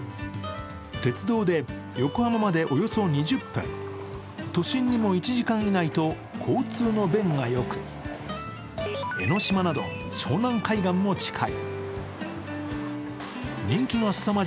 鉄道で横浜までおよそ２０分、都心にも１時間以内と交通の便がよく江の島など湘南海岸も近い。